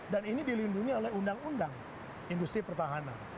dan ini dilindungi oleh undang undang industri pertahanan